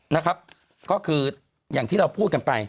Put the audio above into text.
นะครับก็คืออย่างที่เราพูดกันไป